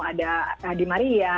ada di maria